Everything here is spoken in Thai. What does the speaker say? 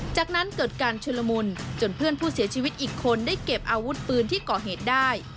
จากนั้นเกิดการชุลมุนจนเพื่อนผู้เสียชีวิตอีกคนได้เก็บอาวุธปืนที่ก่อเหตุได้